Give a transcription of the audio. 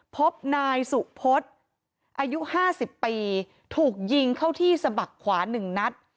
พบนายสุพจน์อายุห้าสิบปีถูกยิงเข้าที่สมัครขวานึงนัด